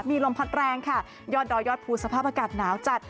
มีลมพัดแรงค่ะยอดดอยยอดภูสภาพอากาศหนาวจัด